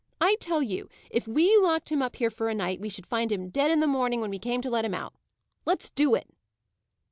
"I tell you, if we locked him up here for a night, we should find him dead in the morning, when we came to let him out. Let's do it."